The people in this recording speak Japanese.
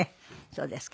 そうですか。